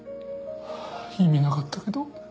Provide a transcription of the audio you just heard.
意味なかったけど。